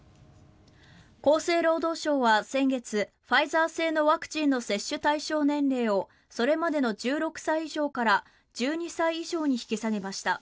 厚生労働省は先月ファイザー製のワクチンの接種対象年齢をそれまでの１６歳以上から１２歳以上に引き下げました。